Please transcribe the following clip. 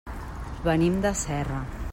Venim de Serra.